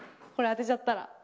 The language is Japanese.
これ当てちゃったら。